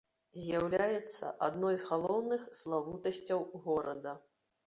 З'яўляецца адной з галоўных славутасцяў горада.